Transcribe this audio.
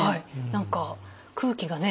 何か空気がね